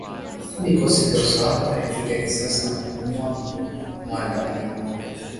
Vikosi vya usalama vilimpiga risasi na kumuuwa muandamanaji mmoja